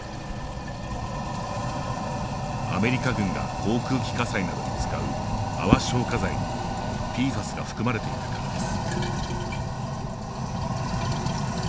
アメリカ軍が航空機火災などに使う泡消火剤にＰＦＡＳが含まれていたからです。